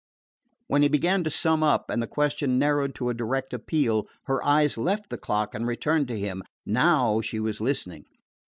When he began to sum up, and the question narrowed to a direct appeal, her eyes left the clock and returned to him. Now she was listening.